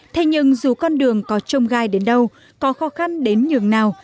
thế nhưng dù con đường có trông gai đến đâu có khó khăn đến nhường nào